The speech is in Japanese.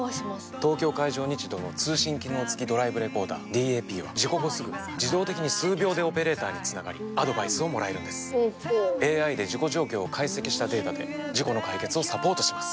東京海上日動の通信機能付きドライブレコーダーＤＡＰは事故後すぐ自動的に数秒でオペレーターにつながりアドバイスをもらえるんですＡＩで事故状況を解析したデータで事故の解決をサポートします